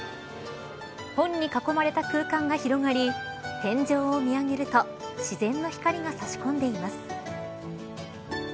本に囲まれた空間が広がり天井を見上げると自然の光が差し込んでいます。